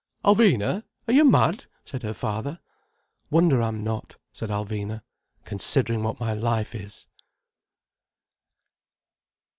"Alvina, are you mad!" said her father. "Wonder I'm not," said Alvina, "considering what my life is."